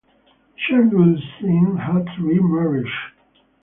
Shardul Singh had three marriages.